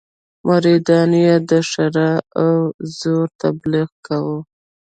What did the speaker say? مریدانو یې د ښرا او زور تبليغ کاوه.